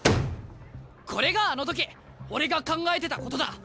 これがあの時俺が考えてたことだ。